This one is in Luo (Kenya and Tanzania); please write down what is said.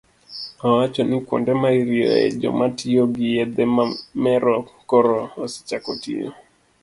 nowacho ni kuonde ma irieyoe joma tiyo gi yedhe mamero koro osechako tiyo.